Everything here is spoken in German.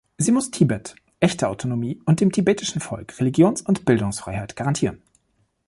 Sie muss Tibet echte Autonomie und dem tibetischen Volk Religions- und Bildungsfreiheit garantieren.